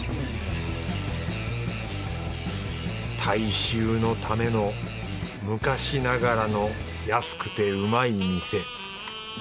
大衆のための昔ながらの安くてうまい店。